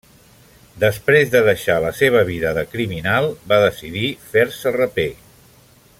Després de deixar la seva vida de criminal, va decidir fer-se raper.